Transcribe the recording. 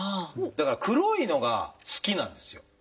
だから黒いのが好きなんですよ。